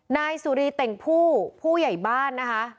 นายสุรีเต่งผู้ผู้ใหญ่บ้านนะคะ